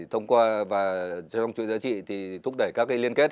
thông qua và trong chuỗi giá trị thì thúc đẩy các liên kết